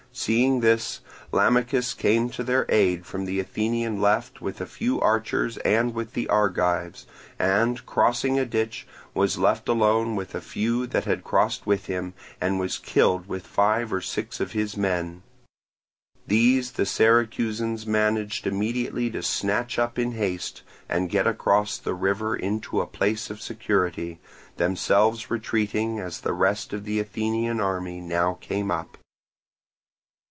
Seeing this, Lamachus came to their aid from the Athenian left with a few archers and with the Argives, and crossing a ditch, was left alone with a few that had crossed with him, and was killed with five or six of his men. These the Syracusans managed immediately to snatch up in haste and get across the river into a place of security, themselves retreating as the rest of the Athenian army now came up.